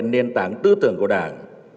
nền tảng tư tưởng của đảng